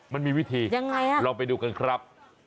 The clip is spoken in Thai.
มันมีวิธียังไงลองไปดูกันครับ